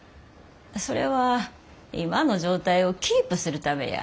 それは今の状態をキープするためや。